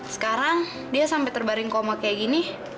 sekarang dia sampai terbaring komor kayak gini